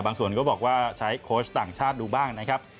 ก็บอกว่าใช้โค้ชต่างชาติดูบ้างนะครับ